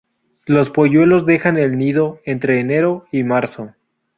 Los polluelos dejan el nido entre enero y marzo.